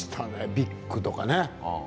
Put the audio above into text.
「ビッグ」とかね。